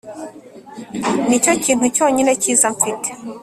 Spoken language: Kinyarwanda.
nicyo kintu cyonyine cyiza mfite.